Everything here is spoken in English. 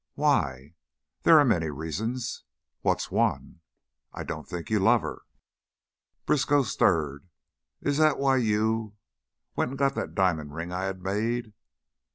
"Why?" "There are many reasons." "What's one?" "I don't think you love her." Briskow stirred. "Is that why you went an' got that di'mon' ring I had made?"